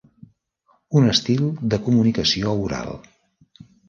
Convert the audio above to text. Un estil de comunicació oral.